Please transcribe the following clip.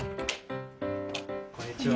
こんにちは。